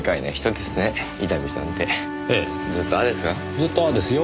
ずっとああですか？